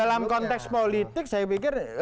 dalam konteks politik saya pikir